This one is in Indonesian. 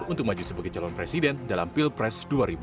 untuk maju sebagai calon presiden dalam pilpres dua ribu dua puluh